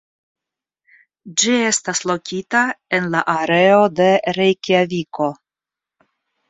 Ĝi estas lokita en la areo de Rejkjaviko.